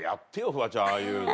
フワちゃんああいうの。